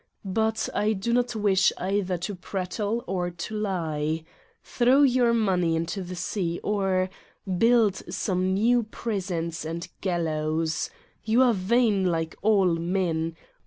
But I do not wish either to prattle or to lie : Throw your money into the sea or build some new prisons and gal lows. You are vain like all men.